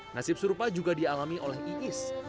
nasib serupa juga dialami oleh iis